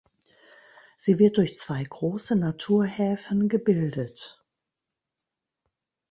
Sie wird durch zwei große Naturhäfen gebildet.